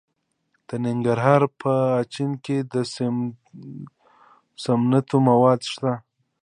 د ننګرهار په اچین کې د سمنټو مواد شته.